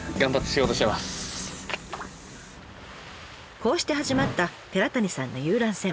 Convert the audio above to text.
こうして始まった寺谷さんの遊覧船。